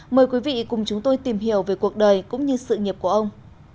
mời quý vị cùng chúng tôi tìm hiểu về cuộc đời cũng như sự nghiệp của ông